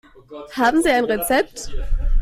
Haben Sie ein Rezept?